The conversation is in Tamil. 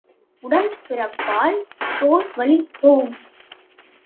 உடன் பிறப்பால் தோள் வலி போம்.